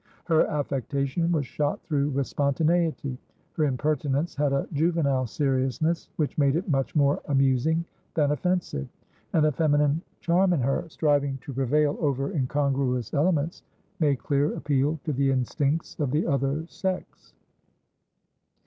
Her affectation was shot through with spontaneity; her impertinence had a juvenile seriousness which made it much more amusing than offensive; and a feminine charm in her, striving to prevail over incongruous elements, made clear appeal to the instincts of the other sex.